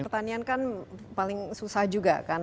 pertanian kan paling susah juga kan